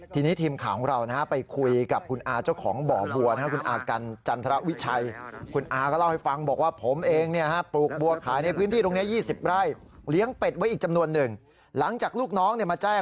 ทีนี้ทีมของเรานะฮะไปคุยกับคุณอา